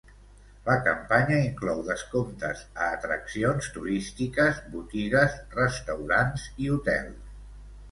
La campanya inclou descomptes a atraccions turístiques, botigues, restaurants i hotels.